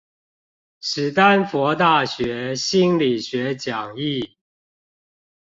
史丹佛大學心理學講義